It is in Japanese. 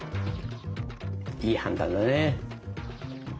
いい判断だね。